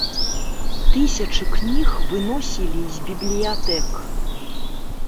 Тысячы кніг выносілі з бібліятэк.